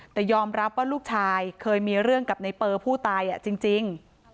แต่ยอมรับว่าลูกชายเคยมีเรื่องกับในเปอร์ผู้ตายจริง